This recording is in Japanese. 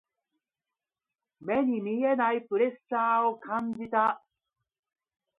目に見えないプレッシャーを感じた。